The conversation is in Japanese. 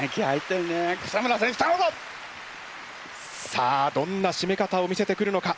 さあどんなしめ方を見せてくるのか？